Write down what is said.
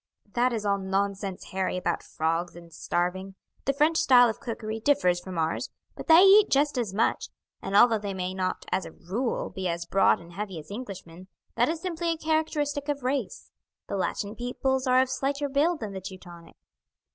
"That is all nonsense, Harry, about frogs and starving. The French style of cookery differs from ours, but they eat just as much, and although they may not, as a rule, be as broad and heavy as Englishmen, that is simply a characteristic of race; the Latin peoples are of slighter build than the Teutonic.